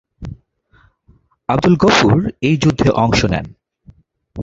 আবদুল গফুর এই যুদ্ধে অংশ নেন।